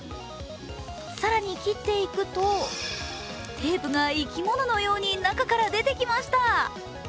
更に切っていくとテープが生き物のように中から出てきました。